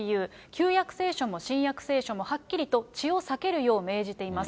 旧約聖書も新約聖書もはっきりと血を避けるよう命じています。